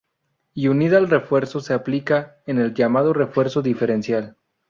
Y unida al refuerzo se aplica en el llamado refuerzo diferencial.